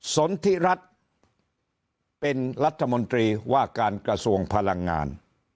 สนทิรัฐเป็นรัฐมนตรีว่าการกระทรวงพลังงาน